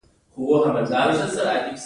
دريم ورزش نۀ کول او څلورم زيات بچي -